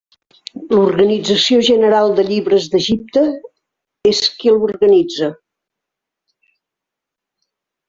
L'Organització General de Llibres d'Egipte és qui l'organitza.